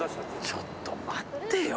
ちょっと待ってよ。